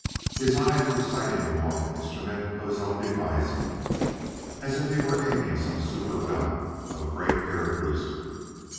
His eyes were sighting along an instrument of his own devising as if he were aiming some super gun of a great air cruiser.